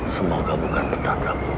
semoga bukan ditanda buruk